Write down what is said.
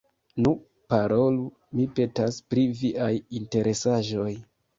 Nu, parolu, mi petas, pri viaj interesaĵoj.